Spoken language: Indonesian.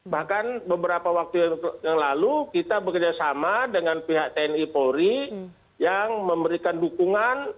bahkan beberapa waktu yang lalu kita bekerjasama dengan pihak tni polri yang memberikan dukungan